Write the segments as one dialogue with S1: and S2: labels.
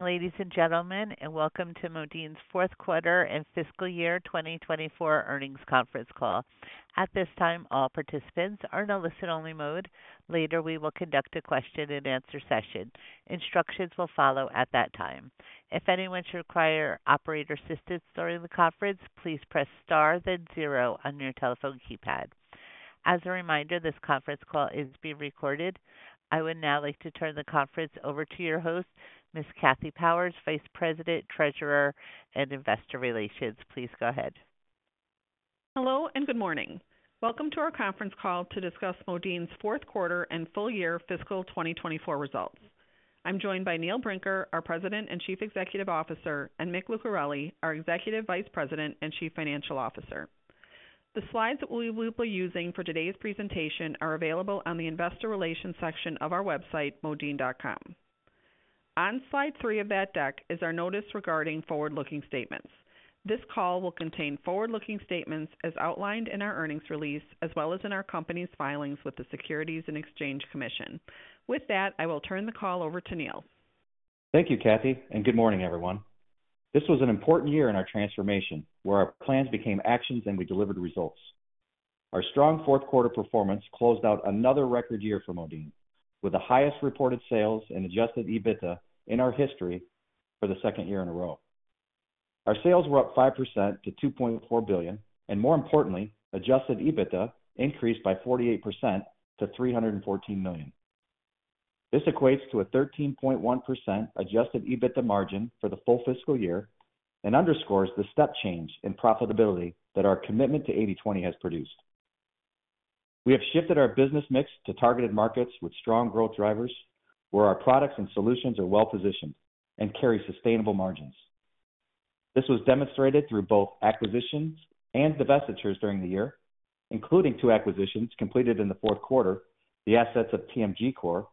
S1: Ladies and gentlemen, welcome to Modine's Fourth Quarter and Fiscal Year 2024 Earnings Conference Call. At this time, all participants are in a listen-only mode. Later, we will conduct a question-and-answer session. Instructions will follow at that time. If anyone should require operator assistance during the conference, please press star, then zero on your telephone keypad. As a reminder, this conference call is being recorded. I would now like to turn the conference over to your host, Ms. Kathy Powers, Vice President, Treasurer, and Investor Relations. Please go ahead.
S2: Hello, and good morning. Welcome to our conference call to discuss Modine's fourth quarter and full year fiscal 2024 results. I'm joined by Neil Brinker, our President and Chief Executive Officer, and Mick Lucarelli, our Executive Vice President and Chief Financial Officer. The slides that we will be using for today's presentation are available on the Investor Relations section of our website, modine.com. On slide three of that deck is our notice regarding forward-looking statements. This call will contain forward-looking statements as outlined in our earnings release, as well as in our company's filings with the Securities and Exchange Commission. With that, I will turn the call over to Neil.
S3: Thank you, Kathy, and good morning, everyone. This was an important year in our transformation, where our plans became actions and we delivered results. Our strong fourth quarter performance closed out another record year for Modine, with the highest reported sales and Adjusted EBITDA in our history for the second year in a row. Our sales were up 5% to $2.4 billion, and more importantly, Adjusted EBITDA increased by 48% to $314 million. This equates to a 13.1% Adjusted EBITDA margin for the full fiscal year and underscores the step change in profitability that our commitment to 80/20 has produced. We have shifted our business mix to targeted markets with strong growth drivers, where our products and solutions are well positioned and carry sustainable margins. This was demonstrated through both acquisitions and divestitures during the year, including two acquisitions completed in the fourth quarter: the assets of TMGcore,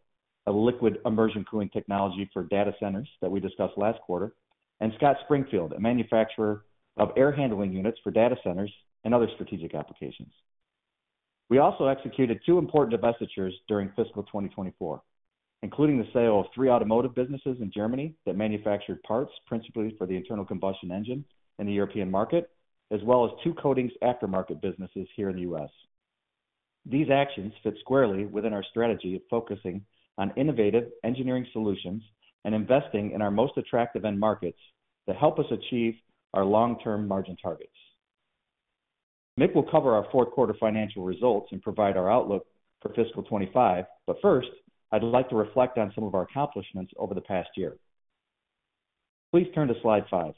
S3: a liquid immersion cooling technology for data centers that we discussed last quarter, and Scott Springfield, a manufacturer of air handling units for data centers and other strategic applications. We also executed two important divestitures during fiscal 2024, including the sale of three automotive businesses in Germany that manufactured parts, principally for the internal combustion engine in the European market, as well as two coatings aftermarket businesses here in the U.S. These actions fit squarely within our strategy of focusing on innovative engineering solutions and investing in our most attractive end markets to help us achieve our long-term margin targets. Mick will cover our fourth quarter financial results and provide our outlook for fiscal 2025, but first, I'd like to reflect on some of our accomplishments over the past year. Please turn to slide five.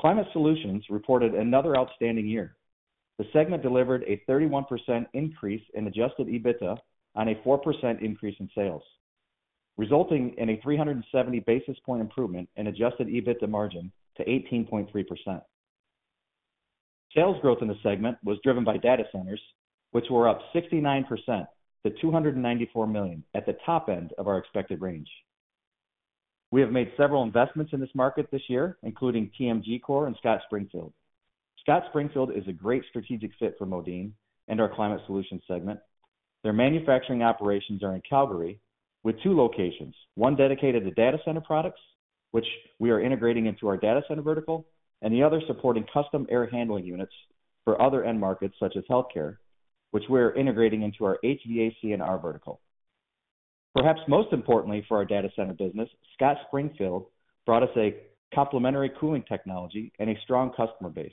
S3: Climate Solutions reported another outstanding year. The segment delivered a 31% increase in Adjusted EBITDA on a 4% increase in sales, resulting in a 370 basis point improvement in Adjusted EBITDA margin to 18.3%. Sales growth in the segment was driven by data centers, which were up 69% to $294 million, at the top end of our expected range. We have made several investments in this market this year, including TMGcore and Scott Springfield. Scott Springfield is a great strategic fit for Modine and our Climate Solutions segment. Their manufacturing operations are in Calgary, with two locations, one dedicated to data center products, which we are integrating into our data center vertical, and the other supporting custom air handling units for other end markets, such as healthcare, which we are integrating into our HVAC&R vertical. Perhaps most importantly for our data center business, Scott Springfield brought us a complementary cooling technology and a strong customer base.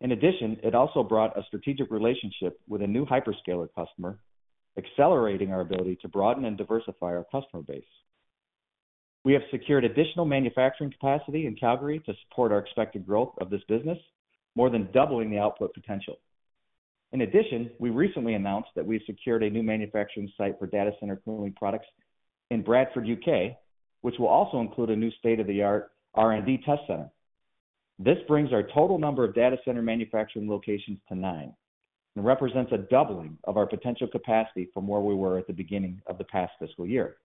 S3: In addition, it also brought a strategic relationship with a new hyperscaler customer, accelerating our ability to broaden and diversify our customer base. We have secured additional manufacturing capacity in Calgary to support our expected growth of this business, more than doubling the output potential. In addition, we recently announced that we've secured a new manufacturing site for data center cooling products in Bradford, U.K., which will also include a new state-of-the-art R&D test center. This brings our total number of data center manufacturing locations to 9 and represents a doubling of our potential capacity from where we were at the beginning of the past fiscal year.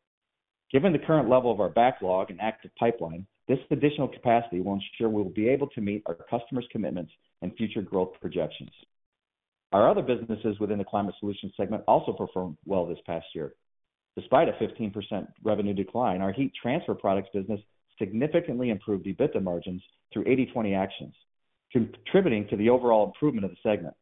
S3: Given the current level of our backlog and active pipeline, this additional capacity will ensure we will be able to meet our customers' commitments and future growth projections. Our other businesses within the Climate Solutions segment also performed well this past year. Despite a 15% revenue decline, our Heat Transfer Products business significantly improved EBITDA margins through 80/20 actions, contributing to the overall improvement of the segment.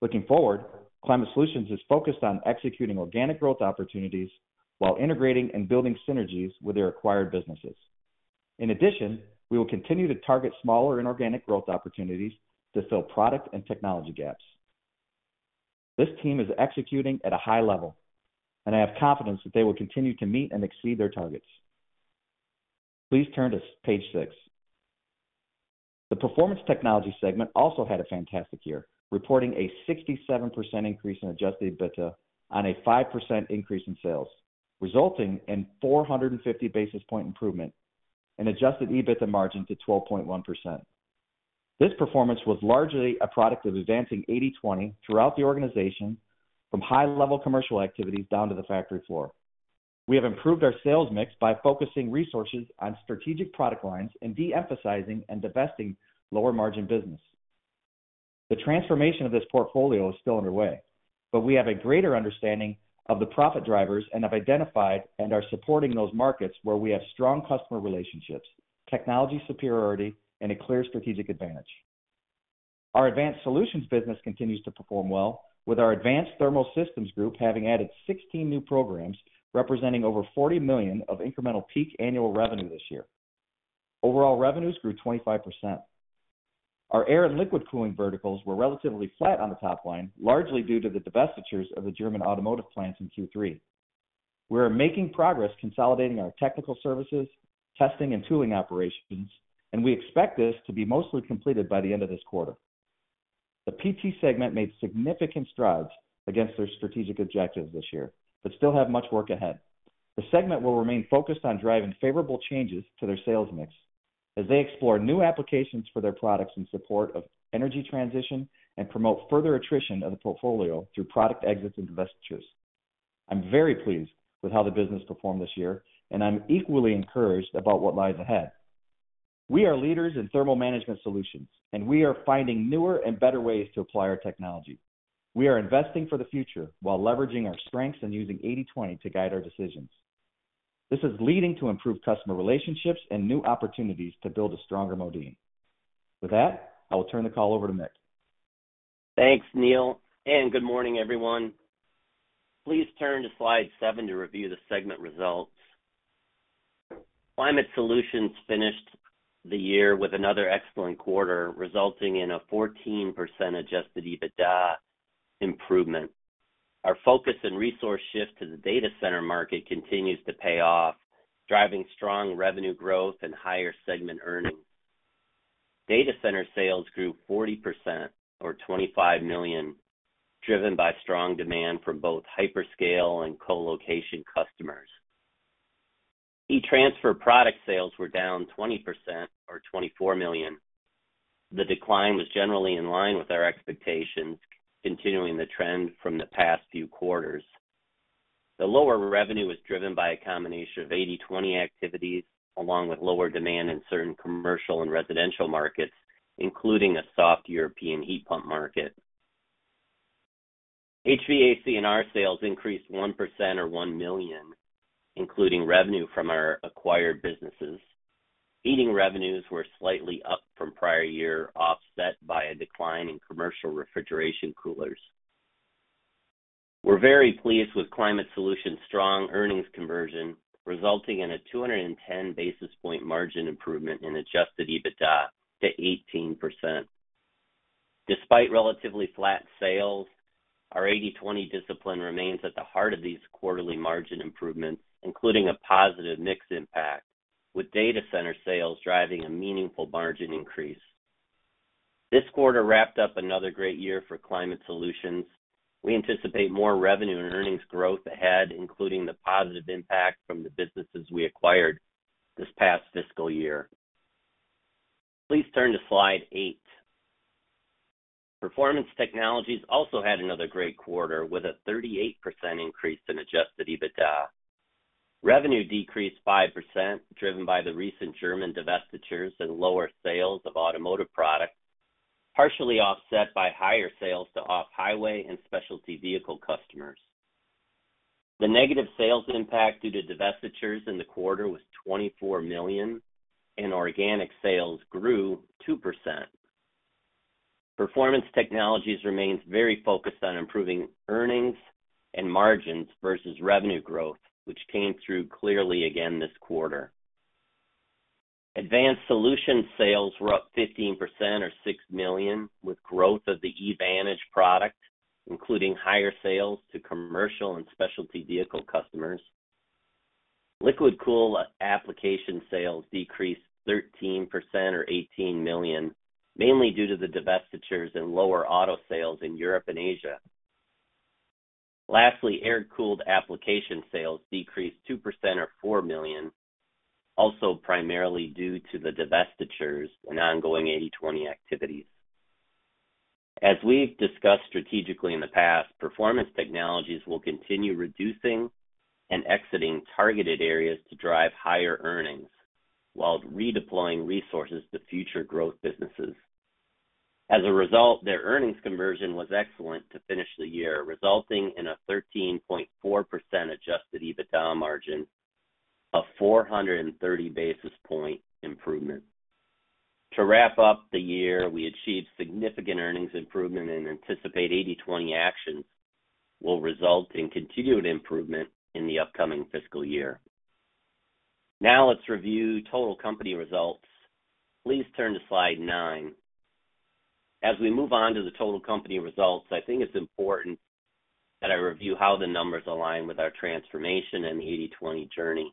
S3: Looking forward, Climate Solutions is focused on executing organic growth opportunities while integrating and building synergies with their acquired businesses. In addition, we will continue to target smaller inorganic growth opportunities to fill product and technology gaps. This team is executing at a high level, and I have confidence that they will continue to meet and exceed their targets. Please turn to page six. The Performance Technology segment also had a fantastic year, reporting a 67% increase in Adjusted EBITDA on a 5% increase in sales, resulting in 450 basis point improvement in Adjusted EBITDA margin to 12.1%. This performance was largely a product of advancing 80/20 throughout the organization, from high-level commercial activities down to the factory floor. We have improved our sales mix by focusing resources on strategic product lines and de-emphasizing and divesting lower-margin business. The transformation of this portfolio is still underway, but we have a greater understanding of the profit drivers and have identified and are supporting those markets where we have strong customer relationships, technology superiority, and a clear strategic advantage. Our Advanced Solutions business continues to perform well, with our Advanced Thermal Systems group having added 16 new programs, representing over $40 million of incremental peak annual revenue this year. Overall, revenues grew 25%. Our air and liquid cooling verticals were relatively flat on the top line, largely due to the divestitures of the German automotive plants in Q3. We are making progress consolidating our technical services, testing, and tooling operations, and we expect this to be mostly completed by the end of this quarter. The PT segment made significant strides against their strategic objectives this year, but still have much work ahead. The segment will remain focused on driving favorable changes to their sales mix as they explore new applications for their products in support of energy transition and promote further attrition of the portfolio through product exits and divestitures. I'm very pleased with how the business performed this year, and I'm equally encouraged about what lies ahead. We are leaders in thermal management solutions, and we are finding newer and better ways to apply our technology. We are investing for the future while leveraging our strengths and using 80/20 to guide our decisions. This is leading to improved customer relationships and new opportunities to build a stronger Modine. With that, I will turn the call over to Mick.
S4: Thanks, Neil, and good morning, everyone. Please turn to slide seven to review the segment results. Climate Solutions finished the year with another excellent quarter, resulting in a 14% Adjusted EBITDA improvement. Our focus and resource shift to the data center market continues to pay off, driving strong revenue growth and higher segment earnings. Data center sales grew 40%, or $25 million, driven by strong demand from both hyperscale and colocation customers. Heat transfer product sales were down 20%, or $24 million. The decline was generally in line with our expectations, continuing the trend from the past few quarters. The lower revenue was driven by a combination of 80/20 activities, along with lower demand in certain commercial and residential markets, including a soft European heat pump market. HVAC&R sales increased 1%, or $1 million, including revenue from our acquired businesses. Heating revenues were slightly up from prior year, offset by a decline in commercial refrigeration coolers. We're very pleased with Climate Solutions' strong earnings conversion, resulting in a 210 basis point margin improvement in Adjusted EBITDA to 18%. Despite relatively flat sales, our 80/20 discipline remains at the heart of these quarterly margin improvements, including a positive mix impact, with data center sales driving a meaningful margin increase. This quarter wrapped up another great year for Climate Solutions. We anticipate more revenue and earnings growth ahead, including the positive impact from the businesses we acquired this past fiscal year. Please turn to Slide 8. Performance Technologies also had another great quarter, with a 38% increase in Adjusted EBITDA. Revenue decreased 5%, driven by the recent German divestitures and lower sales of automotive products, partially offset by higher sales to off-highway and specialty vehicle customers. The negative sales impact due to divestitures in the quarter was $24 million, and organic sales grew 2%. Performance Technologies remains very focused on improving earnings and margins versus revenue growth, which came through clearly again this quarter. Advanced Solution sales were up 15%, or $6 million, with growth of the e-Vantage product, including higher sales to commercial and specialty vehicle customers. Liquid cooling application sales decreased 13%, or $18 million, mainly due to the divestitures in lower auto sales in Europe and Asia. Lastly, air-cooled application sales decreased 2%, or $4 million, also primarily due to the divestitures and ongoing 80/20 activities. As we've discussed strategically in the past, Performance Technologies will continue reducing and exiting targeted areas to drive higher earnings, while redeploying resources to future growth businesses. As a result, their earnings conversion was excellent to finish the year, resulting in a 13.4% Adjusted EBITDA margin, a 430 basis point improvement. To wrap up the year, we achieved significant earnings improvement and anticipate 80/20 action will result in continued improvement in the upcoming fiscal year. Now, let's review total company results. Please turn to Slide 9. As we move on to the total company results, I think it's important that I review how the numbers align with our transformation and the 80/20 journey.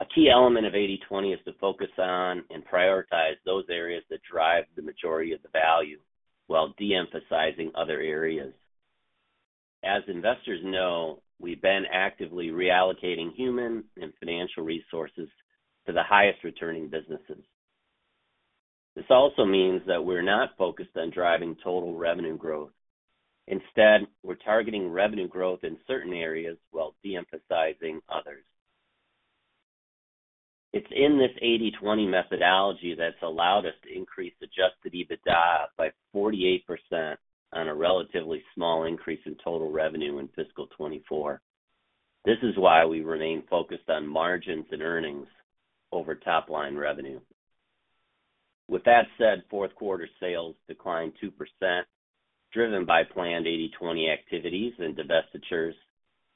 S4: A key element of 80/20 is to focus on and prioritize those areas that drive the majority of the value, while de-emphasizing other areas. As investors know, we've been actively reallocating human and financial resources to the highest-returning businesses. This also means that we're not focused on driving total revenue growth. Instead, we're targeting revenue growth in certain areas while de-emphasizing others... It's in this 80/20 methodology that's allowed us to increase Adjusted EBITDA by 48% on a relatively small increase in total revenue in fiscal 2024. This is why we remain focused on margins and earnings over top line revenue. With that said, fourth quarter sales declined 2%, driven by planned 80/20 activities and divestitures,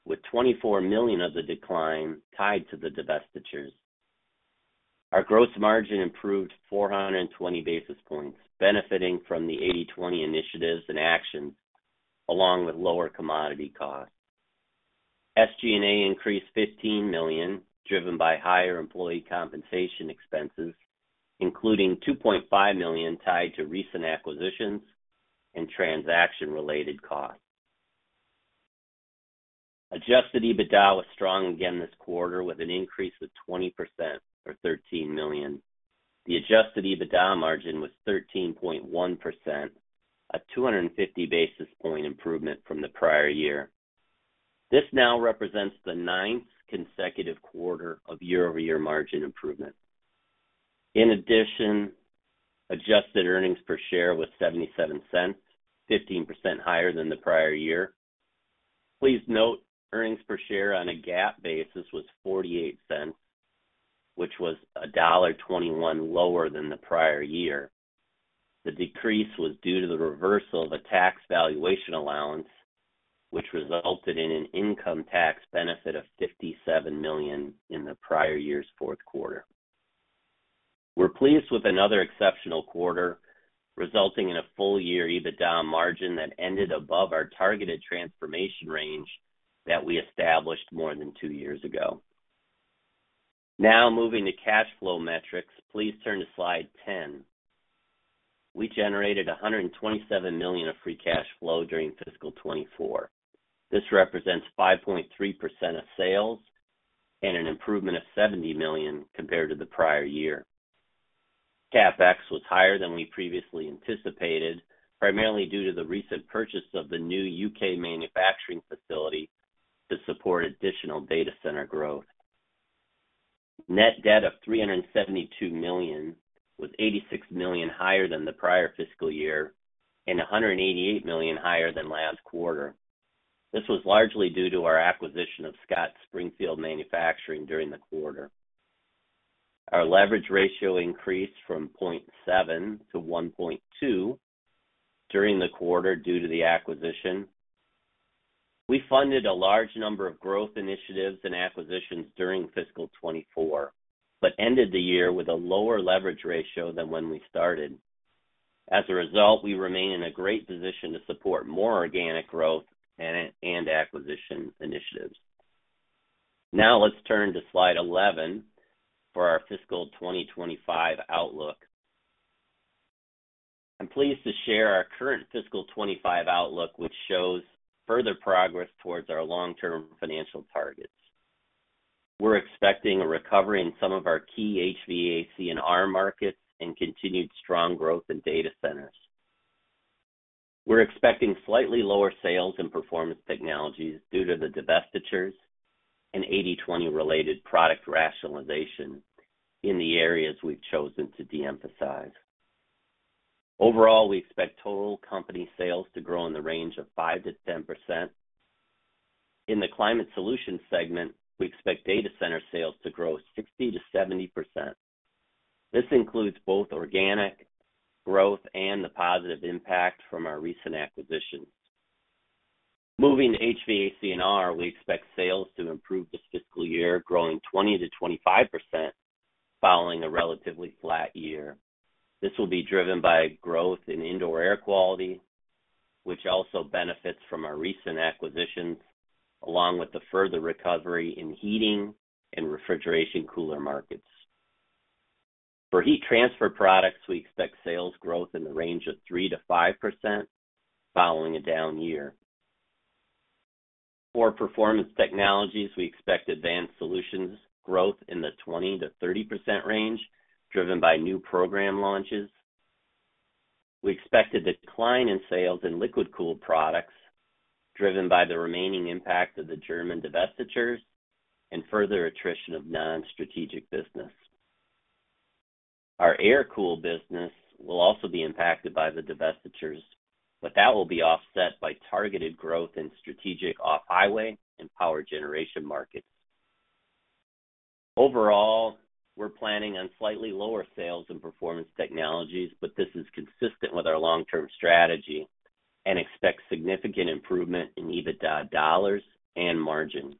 S4: with $24 million of the decline tied to the divestitures. Our gross margin improved 420 basis points, benefiting from the 80/20 initiatives and actions, along with lower commodity costs. SG&A increased $15 million, driven by higher employee compensation expenses, including $2.5 million tied to recent acquisitions and transaction-related costs. Adjusted EBITDA was strong again this quarter, with an increase of 20% or $13 million. The Adjusted EBITDA margin was 13.1%, a 250 basis point improvement from the prior year. This now represents the ninth consecutive quarter of year-over-year margin improvement. In addition, adjusted earnings per share was $0.77, 15% higher than the prior year. Please note, earnings per share on a GAAP basis was $0.48, which was $1.21 lower than the prior year. The decrease was due to the reversal of a tax valuation allowance, which resulted in an income tax benefit of $57 million in the prior year's fourth quarter. We're pleased with another exceptional quarter, resulting in a full year EBITDA margin that ended above our targeted transformation range that we established more than two years ago. Now, moving to cash flow metrics. Please turn to slide 10. We generated $127 million of free cash flow during fiscal 2024. This represents 5.3% of sales and an improvement of $70 million compared to the prior year. CapEx was higher than we previously anticipated, primarily due to the recent purchase of the new U.K. manufacturing facility to support additional data center growth. Net debt of $372 million was $86 million higher than the prior fiscal year and $188 million higher than last quarter. This was largely due to our acquisition of Scott Springfield Manufacturing during the quarter. Our leverage ratio increased from 0.7-1.2 during the quarter due to the acquisition. We funded a large number of growth initiatives and acquisitions during fiscal 2024, but ended the year with a lower leverage ratio than when we started. As a result, we remain in a great position to support more organic growth and acquisition initiatives. Now, let's turn to slide 11 for our fiscal 2025 outlook. I'm pleased to share our current fiscal 2025 outlook, which shows further progress towards our long-term financial targets. We're expecting a recovery in some of our key HVAC and R markets and continued strong growth in data centers. We're expecting slightly lower sales in Performance Technologies due to the divestitures and 80/20 related product rationalization in the areas we've chosen to de-emphasize. Overall, we expect total company sales to grow in the range of 5%-10%. In the Climate Solutions segment, we expect data center sales to grow 60%-70%. This includes both organic growth and the positive impact from our recent acquisitions. Moving to HVAC&R, we expect sales to improve this fiscal year, growing 20%-25% following a relatively flat year. This will be driven by growth in indoor air quality, which also benefits from our recent acquisitions, along with the further recovery in heating and refrigeration cooler markets. For Heat Transfer Products, we expect sales growth in the range of 3%-5% following a down year. For Performance Technologies, we expect Advanced Solutions growth in the 20%-30% range, driven by new program launches. We expect a decline in sales in liquid cooled products driven by the remaining impact of the German divestitures and further attrition of non-strategic business. Our air-cooled business will also be impacted by the divestitures, but that will be offset by targeted growth in strategic off-highway and power generation markets. Overall, we're planning on slightly lower sales in Performance Technologies, but this is consistent with our long-term strategy and expect significant improvement in EBITDA dollars and margin.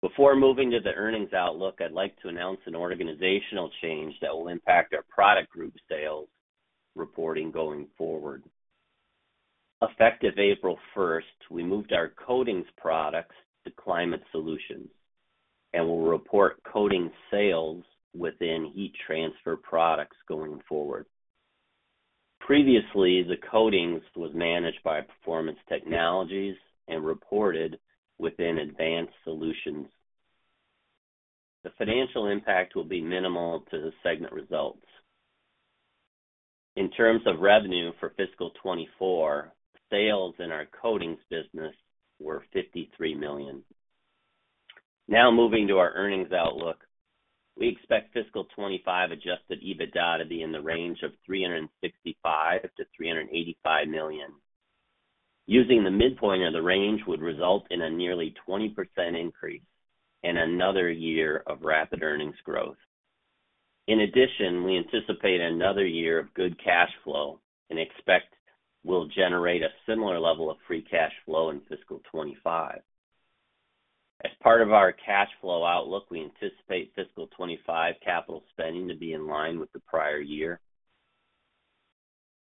S4: Before moving to the earnings outlook, I'd like to announce an organizational change that will impact our product group sales reporting going forward. Effective April first, we moved our coatings products to Climate Solutions and will report coatings sales within Heat Transfer Products going forward. Previously, the coatings was managed by Performance Technologies and reported within Advanced Solutions. The financial impact will be minimal to the segment results. In terms of revenue for fiscal 2024, sales in our coatings business were $53 million. Now moving to our earnings outlook. We expect fiscal 2025 Adjusted EBITDA to be in the range of $365 million-$385 million. Using the midpoint of the range would result in a nearly 20% increase and another year of rapid earnings growth. In addition, we anticipate another year of good cash flow and expect we'll generate a similar level of free cash flow in fiscal 2025. As part of our cash flow outlook, we anticipate fiscal 2025 capital spending to be in line with the prior year.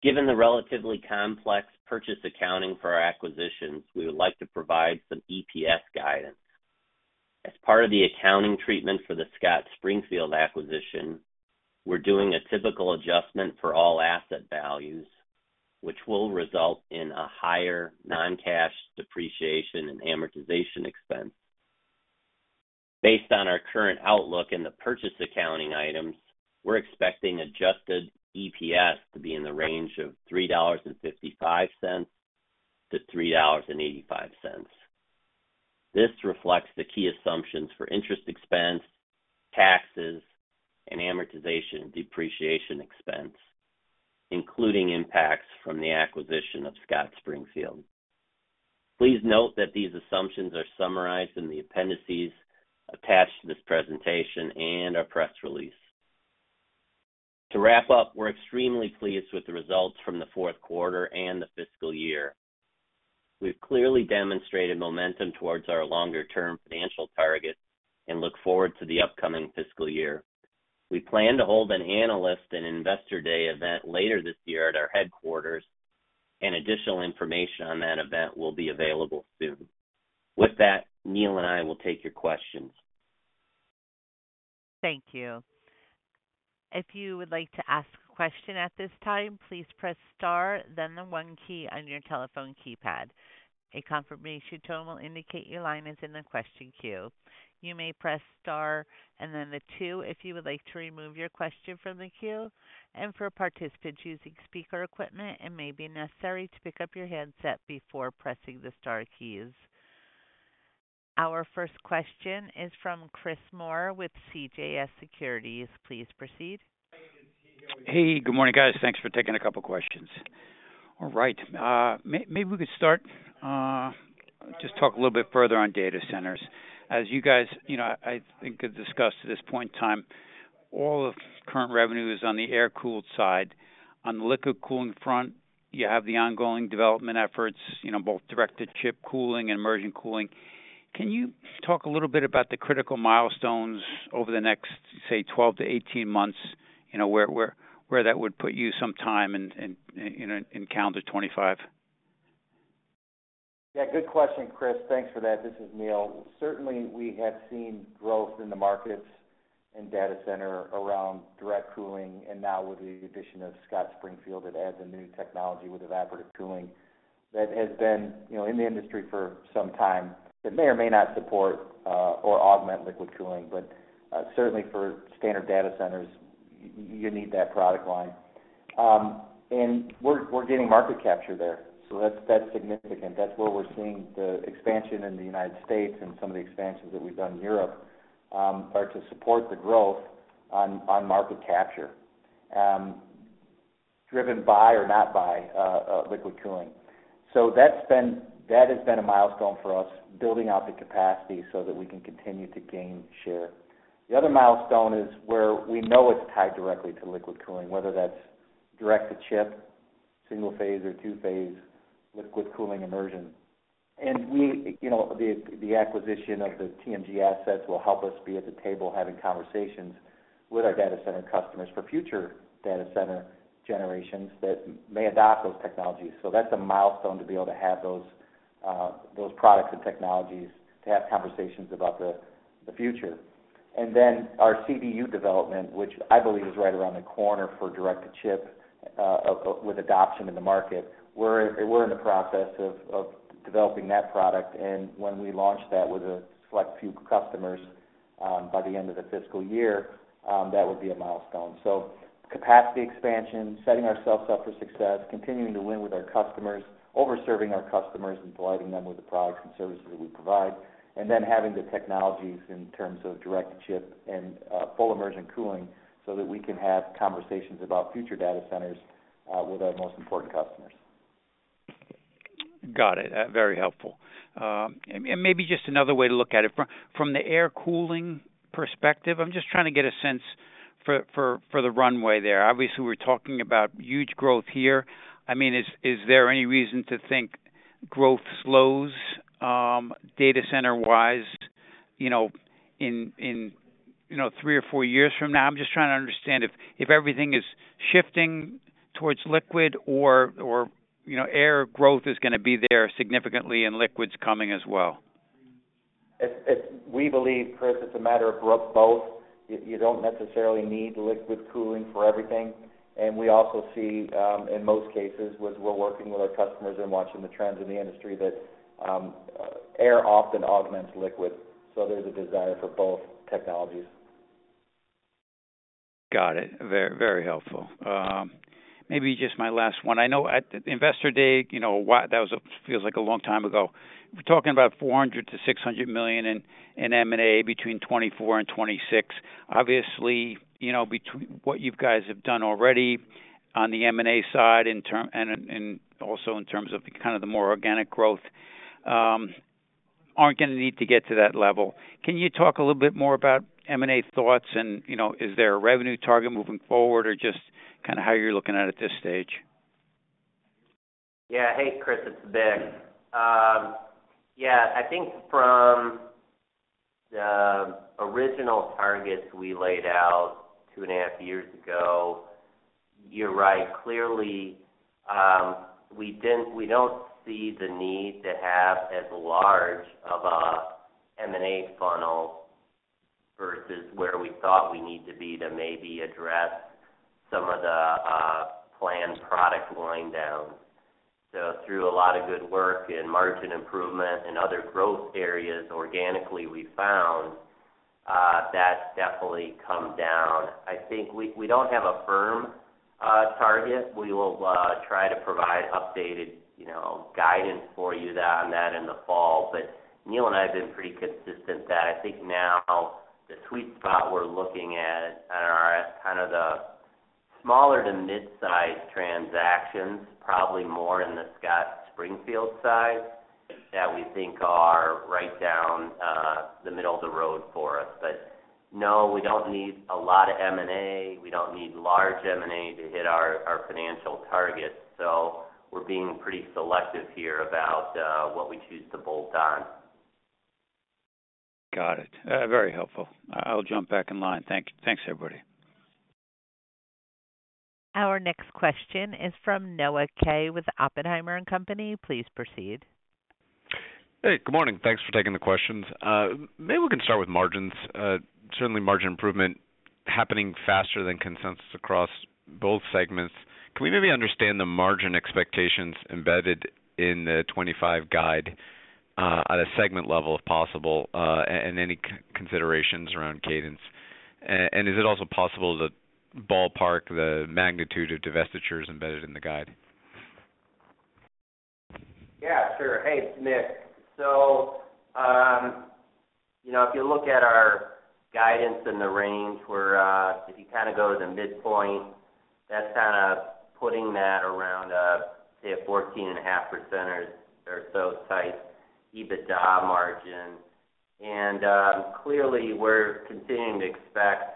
S4: Given the relatively complex purchase accounting for our acquisitions, we would like to provide some EPS guidance. As part of the accounting treatment for the Scott Springfield acquisition, we're doing a typical adjustment for all asset values, which will result in a higher non-cash depreciation and amortization expense. Based on our current outlook and the purchase accounting items, we're expecting Adjusted EPS to be in the range of $3.55-$3.85. This reflects the key assumptions for interest expense, taxes, and amortization and depreciation expense, including impacts from the acquisition of Scott Springfield. Please note that these assumptions are summarized in the appendices attached to this presentation and our press release. To wrap up, we're extremely pleased with the results from the fourth quarter and the fiscal year. We've clearly demonstrated momentum towards our longer-term financial targets and look forward to the upcoming fiscal year. We plan to hold an analyst and investor day event later this year at our headquarters, and additional information on that event will be available soon. With that, Neil and I will take your questions.
S1: Thank you. If you would like to ask a question at this time, please press star, then the one key on your telephone keypad. A confirmation tone will indicate your line is in the question queue. You may press star and then the two if you would like to remove your question from the queue, and for participants using speaker equipment, it may be necessary to pick up your handset before pressing the star keys. Our first question is from Chris Moore with CJS Securities. Please proceed.
S5: Hey, good morning, guys. Thanks for taking a couple of questions. All right, maybe we could start, just talk a little bit further on data centers. As you guys, you know, I think have discussed at this point in time, all of current revenue is on the air-cooled side. On the liquid cooling front, you have the ongoing development efforts, you know, both direct to chip cooling and immersion cooling. Can you talk a little bit about the critical milestones over the next, say, 12-18 months? You know, where that would put you some time in calendar 2025.
S3: Yeah, good question, Chris. Thanks for that. This is Neil. Certainly, we have seen growth in the markets and data center around direct cooling, and now with the addition of Scott Springfield, it adds a new technology with evaporative cooling that has been, you know, in the industry for some time, that may or may not support, or augment liquid cooling. But, certainly for standard data centers, you need that product line. And we're gaining market capture there, so that's significant. That's where we're seeing the expansion in the United States and some of the expansions that we've done in Europe, are to support the growth on market capture, driven by or not by liquid cooling. So that's been, that has been a milestone for us, building out the capacity so that we can continue to gain share. The other milestone is where we know it's tied directly to liquid cooling, whether that's direct to chip, single phase or two phase, liquid cooling immersion. And we, you know, the acquisition of the TMG assets will help us be at the table having conversations with our data center customers for future data center generations that may adopt those technologies. So that's a milestone to be able to have those products and technologies, to have conversations about the future. And then our CDU development, which I believe is right around the corner for direct to chip, with adoption in the market. We're in the process of developing that product, and when we launch that with a select few customers, by the end of the fiscal year, that would be a milestone. So capacity expansion, setting ourselves up for success, continuing to win with our customers, over-serving our customers, and delighting them with the products and services that we provide, and then having the technologies in terms of direct to chip and full immersion cooling, so that we can have conversations about future data centers with our most important customers.
S5: Got it. Very helpful. And maybe just another way to look at it. From the air cooling perspective, I'm just trying to get a sense for the runway there. Obviously, we're talking about huge growth here. I mean, is there any reason to think growth slows, data center-wise, you know, in you know, three or four years from now? I'm just trying to understand if everything is shifting towards liquid or you know, air growth is gonna be there significantly and liquid's coming as well.
S3: We believe, Chris, it's a matter of both. You don't necessarily need liquid cooling for everything. And we also see, in most cases, as we're working with our customers and watching the trends in the industry, that air often augments liquid, so there's a desire for both technologies.
S5: Got it. Very, very helpful. Maybe just my last one. I know at the investor day, you know, why that was a, feels like a long time ago. We're talking about $400 million-$600 million in M&A between 2024 and 2026. Obviously, you know, between what you guys have done already on the M&A side, in term, and in, and also in terms of the kind of the more organic growth, aren't going to need to get to that level. Can you talk a little bit more about M&A thoughts? And, you know, is there a revenue target moving forward or just kind of how you're looking at it this stage?
S4: Yeah. Hey, Chris, it's Mick. Yeah, I think from the original targets we laid out 2.5 years ago, you're right. Clearly, we didn't-- we don't see the need to have as large of a M&A funnel versus where we thought we need to be to maybe address some of the, planned product line downs. So through a lot of good work in margin improvement and other growth areas, organically, we found, that's definitely come down. I think we, we don't have a firm, target. We will, try to provide updated, you know, guidance for you on that in the fall. But Neil and I have been pretty consistent that I think now the sweet spot we're looking at are kind of the smaller to mid-size transactions, probably more in the Scott Springfield size, that we think are right down the middle of the road for us. But no, we don't need a lot of M&A. We don't need large M&A to hit our financial targets, so we're being pretty selective here about what we choose to bolt on.
S5: Got it. Very helpful. I'll jump back in line. Thank you. Thanks, everybody.
S1: Our next question is from Noah Kaye, with Oppenheimer & Company. Please proceed.
S6: Hey, good morning. Thanks for taking the questions. Maybe we can start with margins. Certainly margin improvement happening faster than consensus across both segments. Can we maybe understand the margin expectations embedded in the 25 guide, at a segment level, if possible, and any considerations around cadence? And is it also possible to ballpark the magnitude of divestitures embedded in the guide?
S4: Yeah, sure. Hey, it's Mick. So, you know, if you look at our guidance in the range, we're, if you kind of go to the midpoint, that's kind of putting that around, say, a 14.5% or so tight EBITDA margin. And, clearly, we're continuing to expect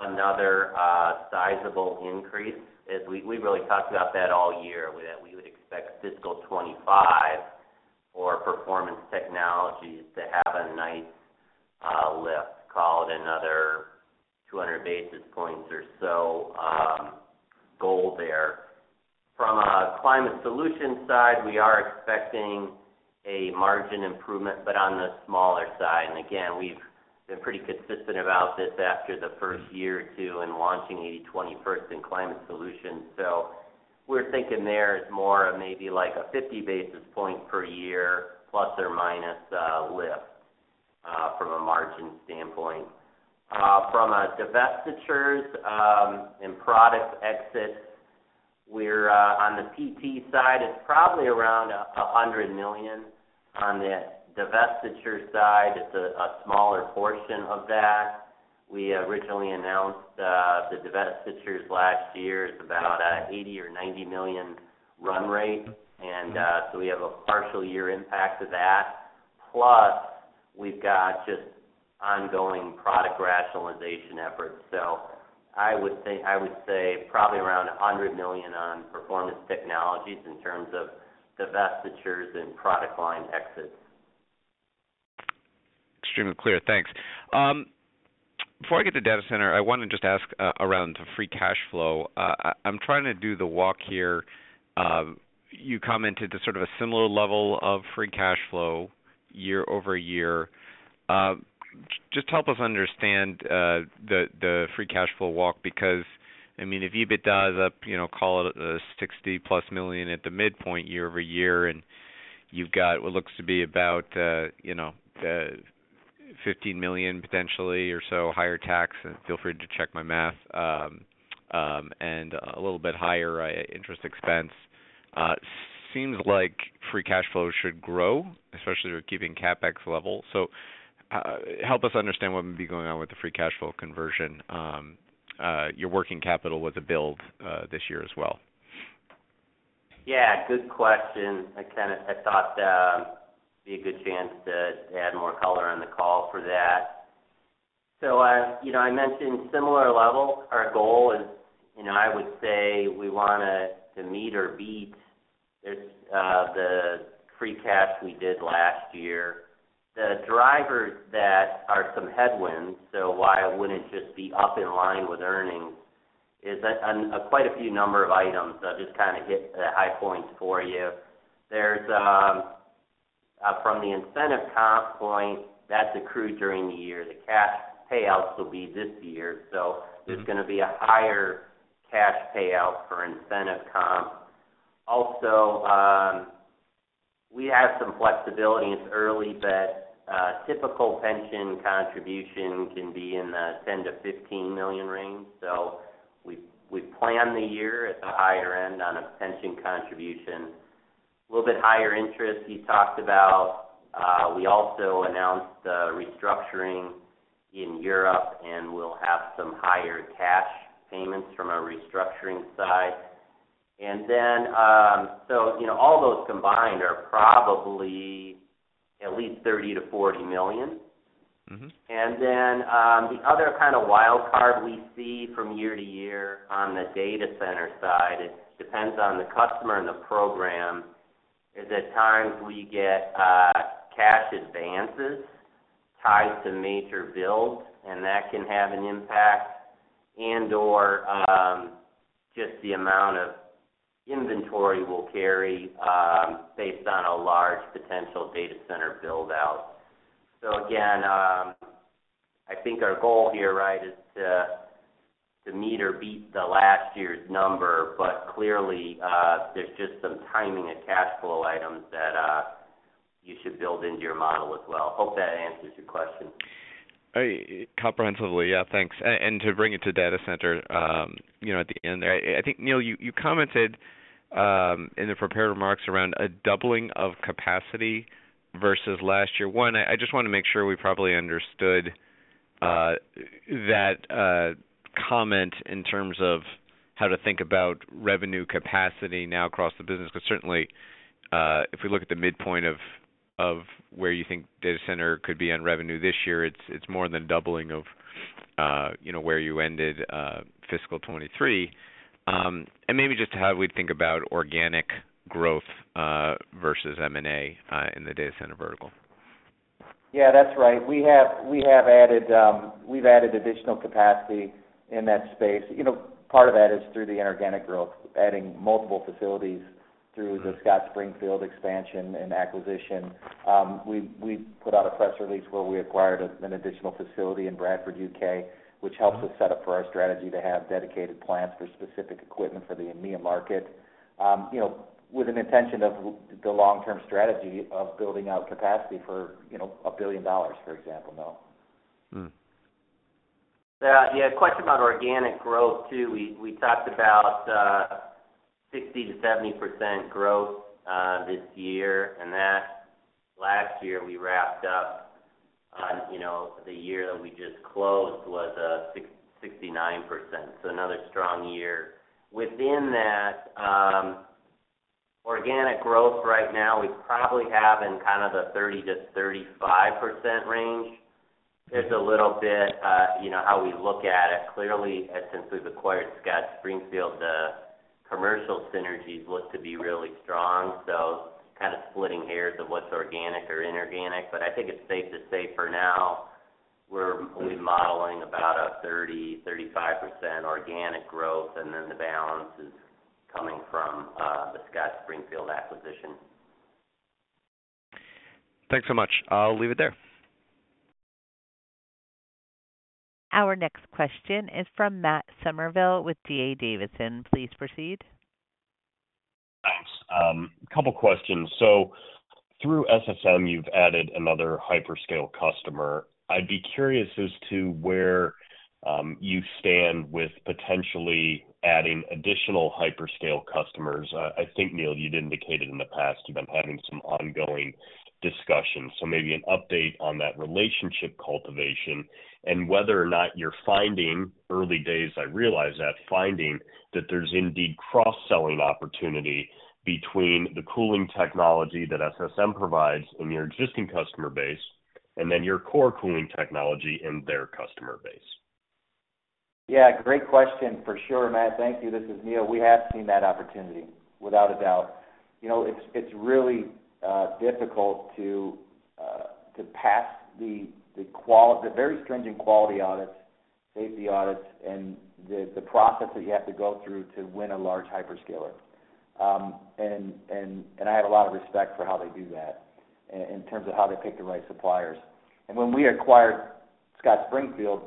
S4: another, sizable increase, as we really talked about that all year, that we would expect fiscal 2025 for Performance Technologies to have a nice, lift, call it another 200 basis points or so, goal there. From a Climate Solution side, we are expecting a margin improvement, but on the smaller side, and again, we've been pretty consistent about this after the first year or two in launching 80/20 first in climate solutions. So we're thinking there is more of maybe like a 50 basis point per year, plus or minus, lift from a margin standpoint. From divestitures and product exits, we're on the PT side, it's probably around $100 million. On the divestiture side, it's a smaller portion of that. We originally announced the divestitures last year is about $80 million or $90 million run rate, and so we have a partial year impact of that. Plus, we've got just ongoing product rationalization efforts. So I would think, I would say probably around $100 million on performance technologies in terms of divestitures and product line exits.
S6: Extremely clear. Thanks. Before I get to data center, I want to just ask around free cash flow. I'm trying to do the walk here. You commented to sort of a similar level of free cash flow year-over-year. Just help us understand the free cash flow walk, because, I mean, if EBITDA is up, you know, call it $60+ million at the midpoint, year-over-year, and you've got what looks to be about, you know, $15 million potentially or so, higher tax, and feel free to check my math, and a little bit higher interest expense. Seems like free cash flow should grow, especially with keeping CapEx level. So, help us understand what might be going on with the free cash flow conversion, your working capital with the build, this year as well?
S4: Yeah, good question. I thought it'd be a good chance to add more color on the call for that. So, you know, I mentioned similar level. Our goal is, you know, I would say we want to meet or beat this, the free cash we did last year. The drivers that are some headwinds, so why wouldn't it just be up in line with earnings, is that quite a few number of items. I'll just kind of hit the high points for you. There's from the incentive comp point, that's accrued during the year. The cash payouts will be this year, so there's going to be a higher cash payout for incentive comp. Also, we have some flexibility. It's early, but typical pension contribution can be in the $10 million-15 million range. So we plan the year at the higher end on a pension contribution. A little bit higher interest you talked about. We also announced the restructuring in Europe, and we'll have some higher cash payments from a restructuring side. And then, you know, all those combined are probably at least $30 million-$40 million.
S6: Mm-hmm.
S4: And then, the other kind of wild card we see from year to year on the data center side, it depends on the customer and the program, is at times we get cash advances tied to major builds, and that can have an impact and/or just the amount of inventory we'll carry based on a large potential data center build-out. So again, I think our goal here, right, is to meet or beat last year's number. But clearly, there's just some timing and cash flow items that you should build into your model as well. Hope that answers your question.
S6: Hey, comprehensively. Yeah, thanks. And to bring it to data center, you know, at the end there, I think, Neil, you commented in the prepared remarks around a doubling of capacity versus last year. One, I just wanna make sure we properly understood that comment in terms of how to think about revenue capacity now across the business. Because certainly, if we look at the midpoint of where you think data center could be on revenue this year, it's more than doubling of, you know, where you ended fiscal 2023. And maybe just how we'd think about organic growth versus M&A in the data center vertical.
S3: Yeah, that's right. We have added additional capacity in that space. You know, part of that is through the inorganic growth, adding multiple facilities through the Scott Springfield expansion and acquisition. We put out a press release where we acquired an additional facility in Bradford, UK, which helps us set up for our strategy to have dedicated plants for specific equipment for the EMEA market. You know, with the intention of the long-term strategy of building out capacity for, you know, $1 billion, for example, though.
S6: Mm.
S4: Yeah, yeah, question about organic growth, too. We, we talked about 60%-70% growth this year, and that last year we wrapped up on, you know, the year that we just closed was sixty-nine percent, so another strong year. Within that, organic growth right now, we probably have in kind of the 30%-35% range. There's a little bit, you know, how we look at it. Clearly, as since we've acquired Scott Springfield, the commercial synergies look to be really strong, so kind of splitting hairs of what's organic or inorganic. But I think it's safe to say for now, we're only modeling about a 30%-35% organic growth, and then the balance is coming from the Scott Springfield acquisition.
S6: Thanks so much. I'll leave it there.
S1: Our next question is from Matt Summerville with D.A. Davidson. Please proceed.
S7: Thanks. A couple questions. So through SSM, you've added another hyperscaler customer. I'd be curious as to where you stand with potentially adding additional hyperscaler customers. I think, Neil, you'd indicated in the past you've been having some ongoing discussions, so maybe an update on that relationship cultivation. And whether or not you're finding, early days I realize that, finding that there's indeed cross-selling opportunity between the cooling technology that SSM provides and your existing customer base, and then your core cooling technology and their customer base.
S3: Yeah, great question, for sure, Matt. Thank you. This is Neil. We have seen that opportunity, without a doubt. You know, it's really difficult to pass the very stringent quality audits, safety audits, and the process that you have to go through to win a large hyperscaler. And I have a lot of respect for how they do that in terms of how they pick the right suppliers. And when we acquired Scott Springfield,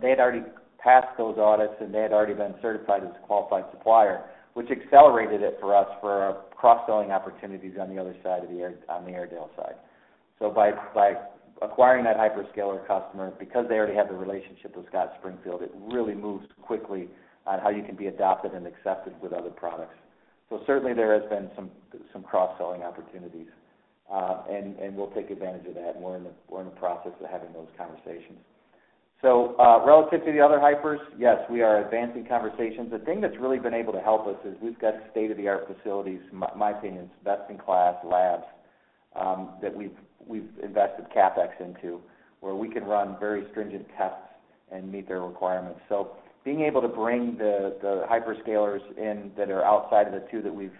S3: they had already passed those audits, and they had already been certified as a qualified supplier, which accelerated it for us for our cross-selling opportunities on the other side of the Airedale side. So by acquiring that hyperscaler customer, because they already had the relationship with Scott Springfield, it really moves quickly on how you can be adopted and accepted with other products. So certainly, there has been some cross-selling opportunities, and we'll take advantage of that, and we're in the process of having those conversations. So, relative to the other hypers, yes, we are advancing conversations. The thing that's really been able to help us is we've got state-of-the-art facilities, my opinion, it's best-in-class labs, that we've invested CapEx into, where we can run very stringent tests and meet their requirements. So being able to bring the hyperscalers in that are outside of the two that we've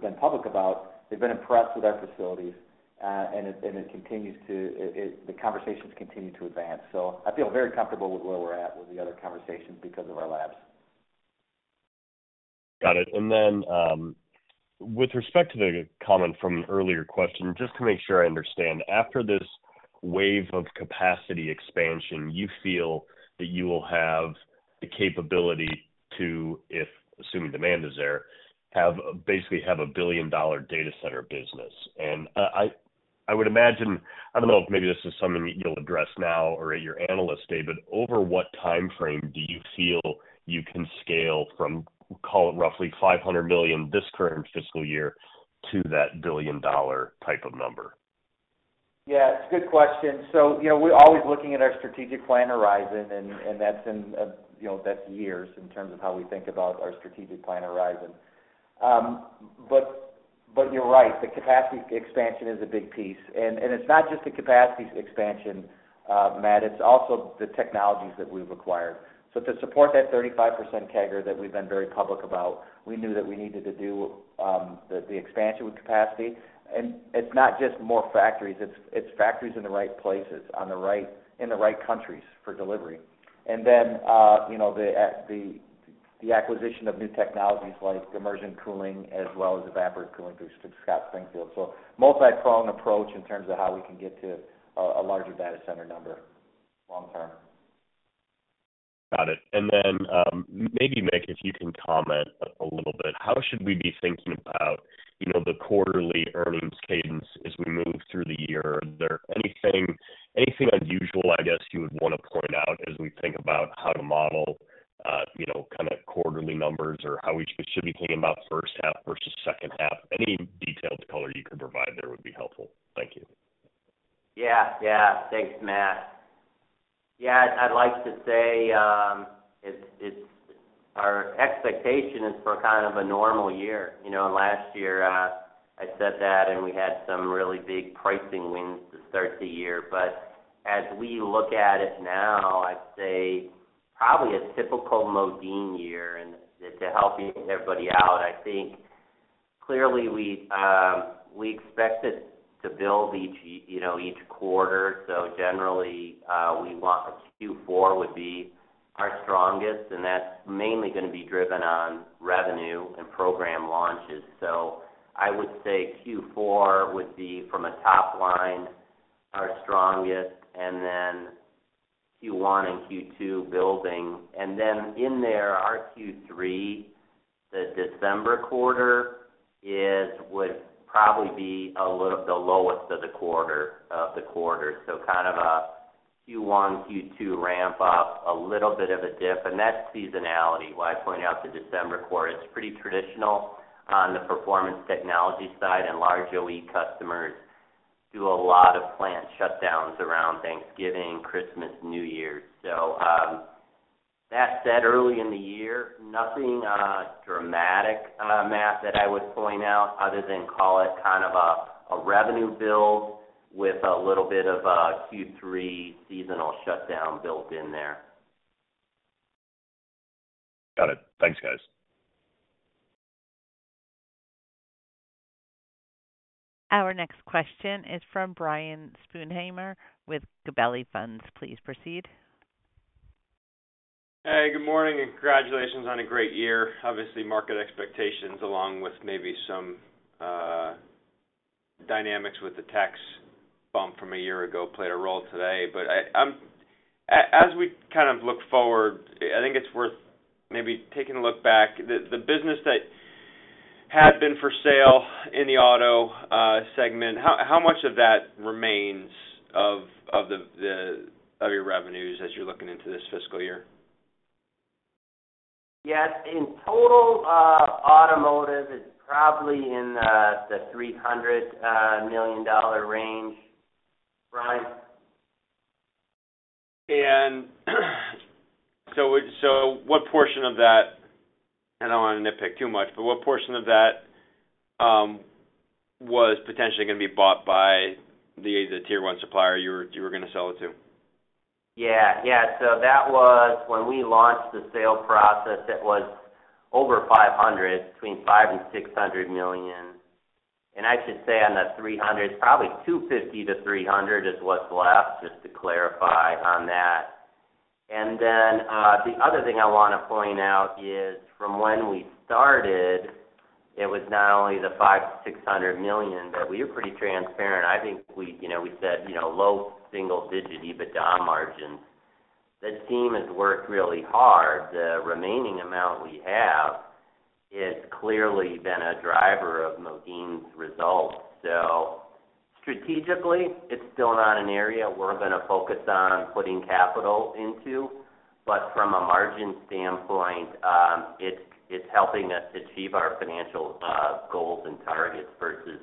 S3: been public about, they've been impressed with our facilities. And it continues to... The conversations continue to advance, so I feel very comfortable with where we're at with the other conversations because of our labs.
S7: Got it. And then, with respect to the comment from an earlier question, just to make sure I understand, after this wave of capacity expansion, you feel that you will have the capability to, if, assuming demand is there, have, basically have a billion-dollar data center business. And, I would imagine, I don't know if maybe this is something that you'll address now or at your analyst day, but over what time frame do you feel you can scale from, call it, roughly $500 million this current fiscal year to that billion-dollar type of number?
S3: Yeah, it's a good question. So, you know, we're always looking at our strategic plan horizon, and that's in, you know, that's years in terms of how we think about our strategic plan horizon. But you're right, the capacity expansion is a big piece. And it's not just the capacity expansion, Matt, it's also the technologies that we've acquired. So to support that 35% CAGR that we've been very public about, we knew that we needed to do the expansion with capacity. And it's not just more factories, it's factories in the right places, in the right countries for delivery. And then, you know, the acquisition of new technologies like immersion cooling as well as evaporative cooling through Scott Springfield. So multi-pronged approach in terms of how we can get to a larger data center number long term.
S7: Got it. And then, maybe, Mick, if you can comment a little bit, how should we be thinking about, you know, the quarterly earnings cadence as we move through the year? Is there anything, anything unusual, I guess, you would want to point out as we think about how to model, you know, kind of quarterly numbers, or how we should be thinking about first half versus second half? Any detailed color you could provide there would be helpful. Thank you.
S4: Yeah. Yeah. Thanks, Matt. Yeah, I'd like to say, it's our expectation is for kind of a normal year. You know, last year, I said that, and we had some really big pricing wins to start the year. But as we look at it now, I'd say probably a typical Modine year. And to help everybody out, I think, clearly we expect it to build each, you know, each quarter. So generally, we want Q4 would be our strongest, and that's mainly gonna be driven on revenue and program launches. So I would say Q4 would be, from a top line, our strongest, and then Q1 and Q2, building. And then in there, our Q3, the December quarter, would probably be a little the lowest of the quarters. So kind of a Q1, Q2 ramp up, a little bit of a dip, and that's seasonality. Why I pointed out the December quarter, it's pretty traditional on the Performance Technology side, and large OE customers do a lot of plant shutdowns around Thanksgiving, Christmas, New Year. So, that said, early in the year, nothing dramatic, Matt, that I would point out other than call it kind of a revenue build with a little bit of a Q3 seasonal shutdown built in there.
S7: Got it. Thanks, guys.
S1: Our next question is from Brian Sponheimer with Gabelli Funds. Please proceed.
S8: Hey, good morning, and congratulations on a great year. Obviously, market expectations, along with maybe some dynamics with the tax bump from a year ago, played a role today. But I, as we kind of look forward, I think it's worth maybe taking a look back. The business that had been for sale in the auto segment, how much of that remains of your revenues as you're looking into this fiscal year?
S4: Yeah, in total, automotive is probably in the $300 million range, Brian.
S8: So what portion of that... I don't want to nitpick too much, but what portion of that was potentially gonna be bought by the tier one supplier you were gonna sell it to?
S4: Yeah. Yeah. So that was when we launched the sale process, it was over $500 million, between $500 million and $600 million. And I should say on the $300 million, probably $250 million-$300 million is what's left, just to clarify on that. And then, the other thing I want to point out is, from when we started, it was not only the $500 million-$600 million, but we were pretty transparent. I think we, you know, we said, you know, low single-digit EBITDA margins. The team has worked really hard. The remaining amount we have has clearly been a driver of Modine's results. So strategically, it's still not an area we're gonna focus on putting capital into, but from a margin standpoint, it's helping us achieve our financial goals and targets versus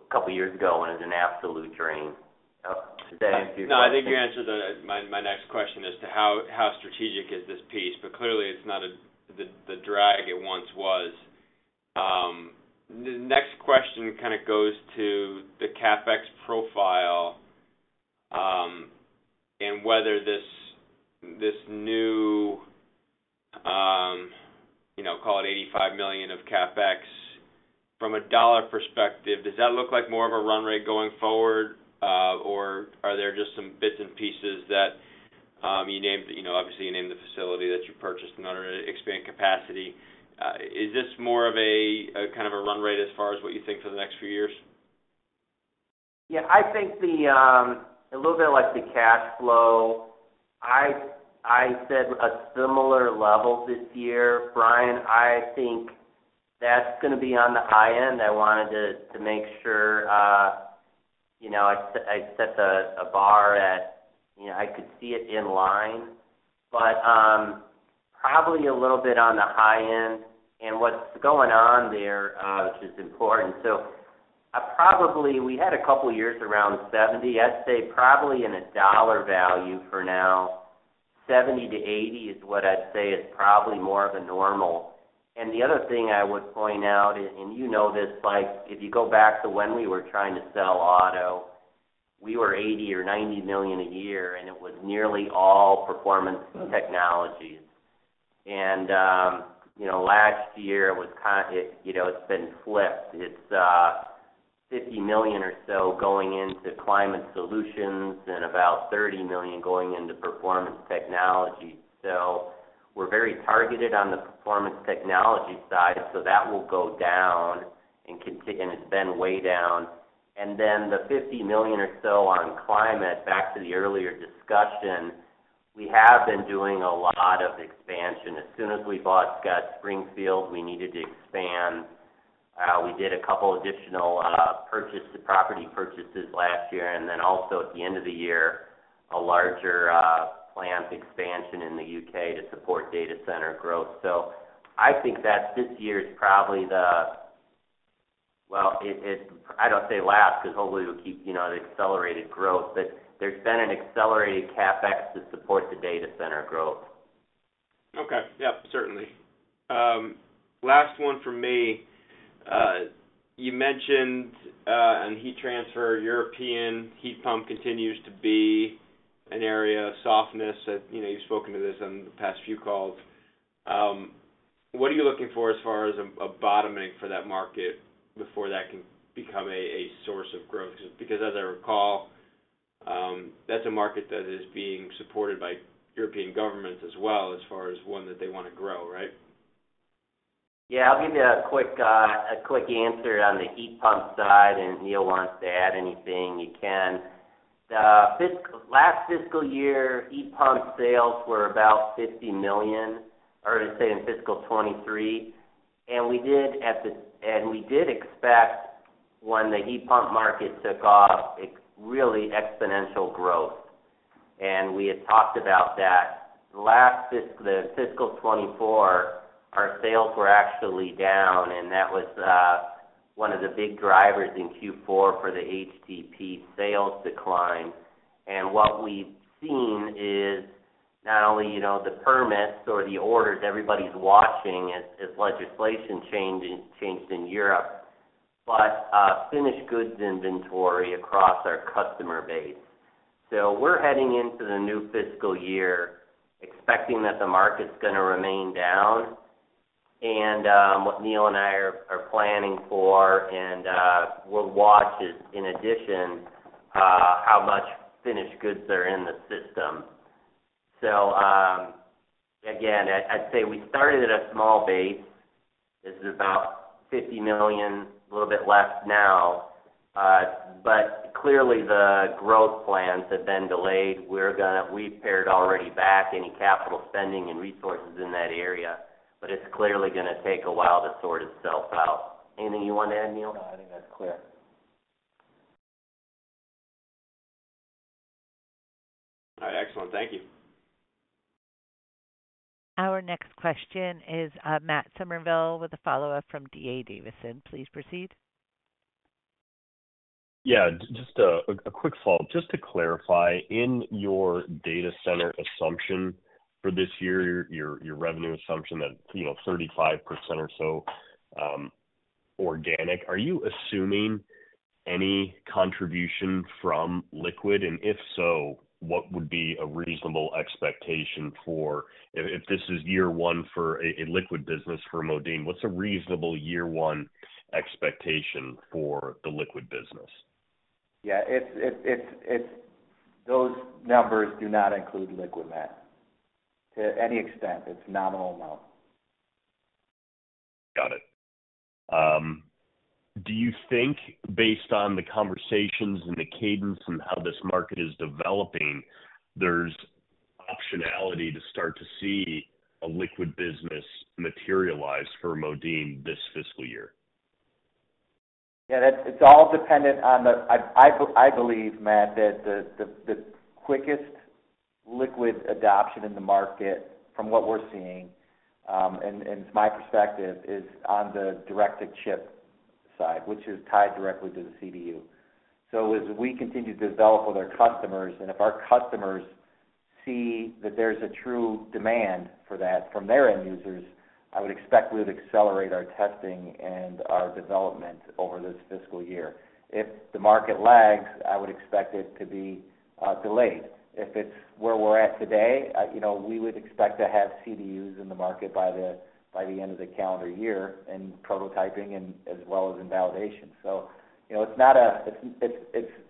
S4: a couple of years ago, when it was an absolute drain. Oh, did you have any questions?
S8: No, I think you answered my next question as to how strategic is this piece, but clearly it's not the drag it once was. The next question kind of goes to the CapEx profile, and whether this new, you know, call it $85 million of CapEx. From a dollar perspective, does that look like more of a run rate going forward, or are there just some bits and pieces that you named, you know, obviously, you named the facility that you purchased in order to expand capacity. Is this more of a rate as far as what you think for the next few years?
S4: Yeah, I think the, a little bit like the cash flow, I, I said a similar level this year, Brian. I think that's gonna be on the high end. I wanted to, to make sure, you know, I set, I set the, a bar at, you know, I could see it in line, but, probably a little bit on the high end and what's going on there, which is important. So I probably, we had a couple years around $70. I'd say probably in a dollar value for now, $70-$80 is what I'd say is probably more of a normal. And the other thing I would point out, and, and you know this, like, if you go back to when we were trying to sell auto, we were $80 or $90 million a year, and it was nearly all performance technologies. And, you know, last year, it was—it, you know, it's been flipped. It's $50 million or so going into climate solutions and about $30 million going into Performance Technology. So we're very targeted on the Performance Technology side, so that will go down and it's been way down. And then the $50 million or so on climate, back to the earlier discussion, we have been doing a lot of expansion. As soon as we bought Scott Springfield, we needed to expand. We did a couple additional property purchases last year, and then also at the end of the year, a larger plant expansion in the U.K. to support data center growth. So I think that this year is probably the... Well, I don't say last, 'cause hopefully, it'll keep, you know, an accelerated growth, but there's been an accelerated CapEx to support the data center growth.
S8: Okay. Yeah, certainly. Last one from me. You mentioned, and heat transfer, European heat pump continues to be an area of softness that, you know, you've spoken to this on the past few calls. What are you looking for as far as a bottoming for that market before that can become a source of growth? Because as I recall, that's a market that is being supported by European governments as well, as far as one that they wanna grow, right?
S4: Yeah, I'll give you a quick, a quick answer on the heat pump side, and if Neil wants to add anything, he can. The last fiscal year, heat pump sales were about $50 million, or say in fiscal 2023, and we did expect when the heat pump market took off, it really exponential growth, and we had talked about that. Last fiscal 2024, our sales were actually down, and that was one of the big drivers in Q4 for the HTP sales decline. And what we've seen is not only, you know, the permits or the orders everybody's watching as legislation changed in Europe, but finished goods inventory across our customer base. So we're heading into the new fiscal year, expecting that the market's gonna remain down. What Neil and I are planning for and we'll watch is, in addition, how much finished goods are in the system. So, again, I'd say we started at a small base. This is about $50 million, a little bit less now. But clearly, the growth plans have been delayed. We're gonna we've pared already back any capital spending and resources in that area, but it's clearly gonna take a while to sort itself out. Anything you want to add, Neil?
S3: No, I think that's clear.
S8: All right. Excellent. Thank you.
S1: Our next question is, Matt Summerville, with a follow-up from D.A. Davidson. Please proceed.
S7: Yeah, just a quick follow. Just to clarify, in your data center assumption for this year, your revenue assumption that, you know, 35% or so organic, are you assuming any contribution from liquid? And if so, what would be a reasonable expectation for? If this is year one for a liquid business for Modine, what's a reasonable year one expectation for the liquid business?
S4: Yeah, it's... Those numbers do not include liquid, Matt, to any extent. It's nominal amount.
S7: Got it. Do you think based on the conversations and the cadence and how this market is developing, there's optionality to start to see a liquid business materialize for Modine this fiscal year?
S3: Yeah, that- it's all dependent on the... I, I, I believe, Matt, that the, the, the quickest liquid adoption in the market, from what we're seeing, and, and my perspective, is on the direct-to-chip side, which is tied directly to the CDU. So as we continue to develop with our customers, and if our customers see that there's a true demand for that from their end users, I would expect we would accelerate our testing and our development over this fiscal year. If the market lags, I would expect it to be delayed. If it's where we're at today, you know, we would expect to have CDUs in the market by the, by the end of the calendar year, and prototyping and as well as in validation. So you know, it's not a- it's, it's, it's-...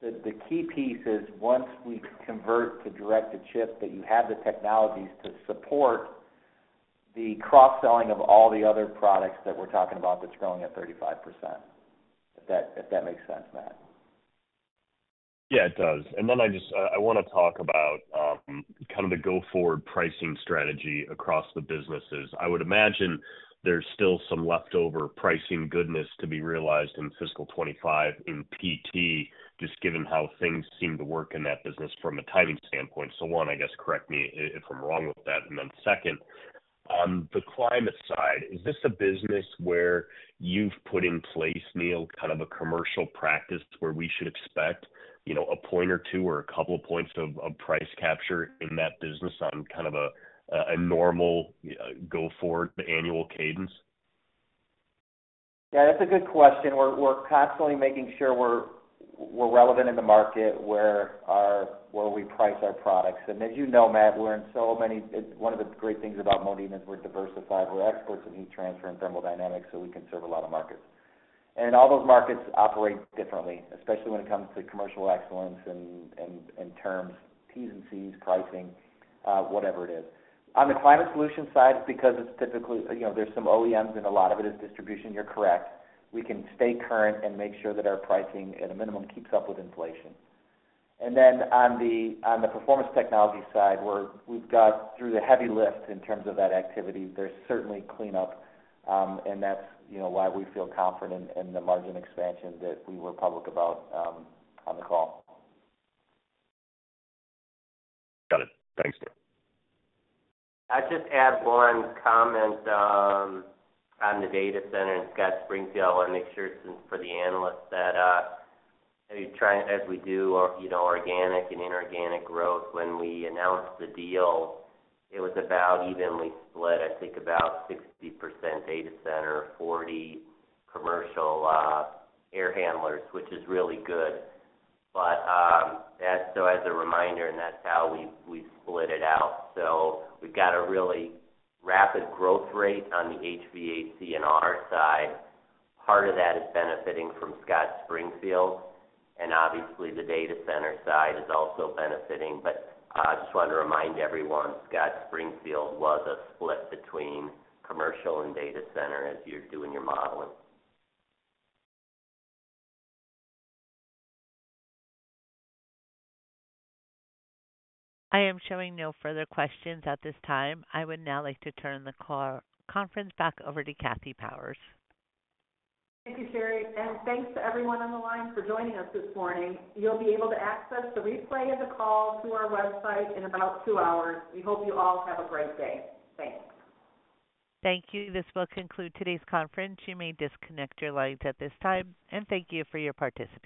S3: The key piece is once we convert to direct-to-chip, that you have the technologies to support the cross-selling of all the other products that we're talking about that's growing at 35%. If that makes sense, Matt?
S7: Yeah, it does. Then I just wanna talk about kind of the go-forward pricing strategy across the businesses. I would imagine there's still some leftover pricing goodness to be realized in fiscal 2025 in PT, just given how things seem to work in that business from a timing standpoint. So one, I guess, correct me if I'm wrong with that. And then second, on the climate side, is this a business where you've put in place, Neil, kind of a commercial practice where we should expect, you know, a point or two or a couple of points of price capture in that business on kind of a normal go-forward annual cadence?
S3: Yeah, that's a good question. We're constantly making sure we're relevant in the market, where we price our products. And as you know, Matt, we're in so many... It's one of the great things about Modine is we're diversified. We're experts in heat transfer and thermodynamics, so we can serve a lot of markets. And all those markets operate differently, especially when it comes to commercial excellence and terms, T's and C's, pricing, whatever it is. On the climate solution side, because it's typically, you know, there's some OEMs and a lot of it is distribution, you're correct. We can stay current and make sure that our pricing, at a minimum, keeps up with inflation. And then on the Performance Technology side, we've got through the heavy lift in terms of that activity. There's certainly cleanup, and that's, you know, why we feel confident in the margin expansion that we were public about, on the call.
S7: Got it. Thanks.
S4: I'd just add one comment on the data center in Scott Springfield. I wanna make sure since for the analysts that, as you try, as we do, you know, organic and inorganic growth, when we announced the deal, it was about evenly split, I think about 60% data center, 40% commercial air handlers, which is really good. But as a reminder, and that's how we split it out. So we've got a really rapid growth rate on the HVAC&R side. Part of that is benefiting from Scott Springfield, and obviously, the data center side is also benefiting. But I just wanted to remind everyone, Scott Springfield was a split between commercial and data center as you're doing your modeling.
S1: I am showing no further questions at this time. I would now like to turn the conference back over to Kathy Powers.
S2: Thank you, Sherry, and thanks to everyone on the line for joining us this morning. You'll be able to access the replay of the call through our website in about two hours. We hope you all have a great day. Thanks.
S1: Thank you. This will conclude today's conference. You may disconnect your lines at this time, and thank you for your participation.